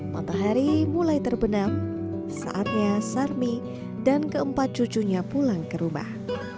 matahari mulai terbenam saatnya sarmi dan keempat cucunya pulang ke rumah